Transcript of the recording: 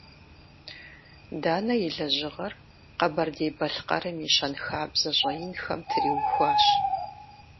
Данэ и лэжьыгъэр Къэбэрдей-Балъкъэрым и щэнхабзэ щӀэинхэм триухуащ.